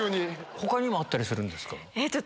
他にもあったりするんですか？